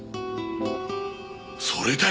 それだよ